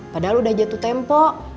padahal udah jatuh tempo